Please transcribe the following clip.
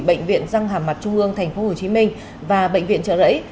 bệnh viện răng hàm mặt trung ương tp hcm và bệnh viện trợ rẫy